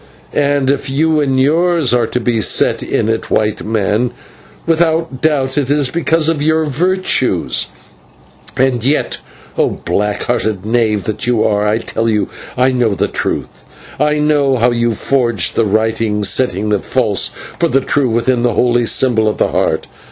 "And if you and yours are to be set in it, White Man, without doubt it is because of your virtues; and yet, O black hearted knave that you are, I tell you that I know all the truth. I know how you forged the writing, setting the false for the true within the holy symbol of the Heart.